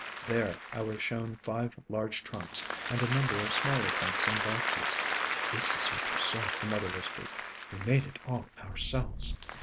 There I was shown five large trunks, and a number of smaller trunks and boxes. "This is her trousseau," her mother whispered; "we made it all ourselves."